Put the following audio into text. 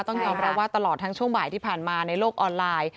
ต้องยอมรับว่าตลอดทั้งช่วงบ่ายที่ผ่านมาในโลกออนไลน์